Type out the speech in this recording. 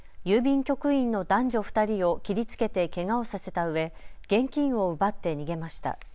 局員の男女２人を切りつけてけがをさせたうえ現金を奪って逃げました。